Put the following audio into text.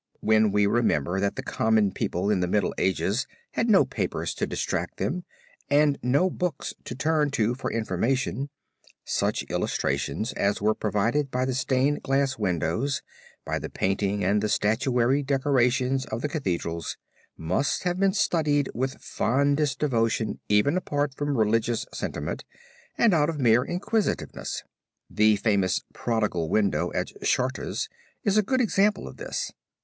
When we remember that the common people in the Middle Ages had no papers to distract them, and no books to turn to for information, such illustrations as were provided by the stained glass windows, by the painting and the statuary decorations of the Cathedrals, must have been studied with fondest devotion even apart from religious sentiment and out of mere inquisitiveness. The famous "prodigal" window at Chartres is a good example of this.